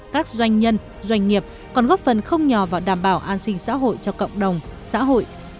các doanh nhân doanh nghiệp còn góp phần không nhỏ vào đảm bảo an sinh xã hội cho cộng đồng xã hội